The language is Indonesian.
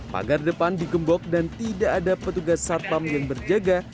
pagar depan digembok dan tidak ada petugas satpam yang berjaga